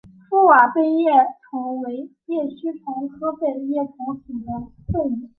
覆瓦背叶虫为叶须虫科背叶虫属的动物。